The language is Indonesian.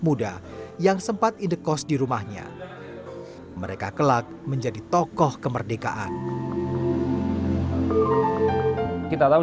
muda yang sempat indekos di rumahnya mereka kelak menjadi tokoh kemerdekaan kita tahu